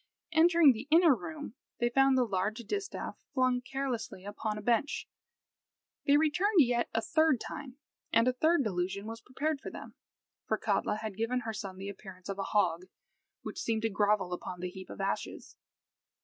Entering the inner room, they found the large distaff flung carelessly upon a bench. They returned yet a third time, and a third delusion was prepared for them; for Katla had given her son the appearance of a hog, which seemed to grovel upon the heap of ashes.